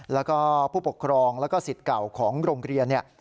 แล้วก็ผู้ปกครองแล้วก็สิทธิ์เก่าของโรงเรียนเนี่ย